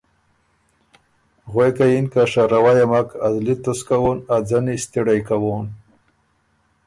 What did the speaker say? غوېکه یِن که ”شَرَوئ یه مک ا زلی تُسک کوون، ا ځنی ستِړئ کوون“